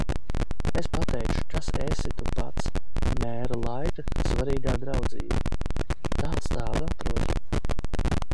Es pateikšu, kas esi tu pats. Mēra laika svarīgā draudzība. Tāds tādu atrod.